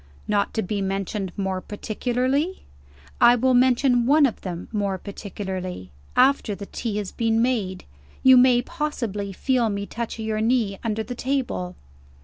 "Not to be mentioned more particularly?" "I will mention one of them more particularly. After the tea has been made, you may possibly feel me touch your knee under the table."